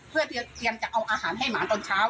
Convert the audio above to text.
เพื่อเตรียมจะเอาอาหารให้หมาตอนเช้า